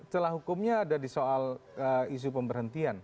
celah hukumnya ada di soal isu pemberhentian